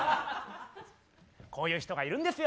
こういう人がいるんですよ。